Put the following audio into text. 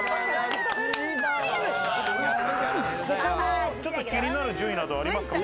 他のちょっと気になる順位などありますか？